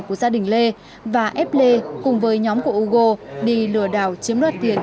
của gia đình lê và ép lê cùng với nhóm của ugo đi lừa đảo chiếm đoát tiền